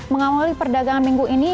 mengawali perdagangan minggu ini